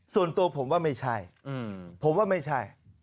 ส่วนตัวผมว่าไม่ใช่ผมว่าไม่ใช่